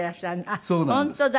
あっ本当だ。